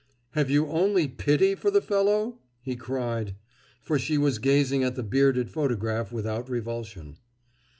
"Have you only pity for the fellow?" he cried; for she was gazing at the bearded photograph without revulsion.